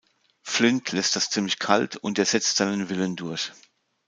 Flint lässt das ziemlich kalt und er setzt seinen Willen durch.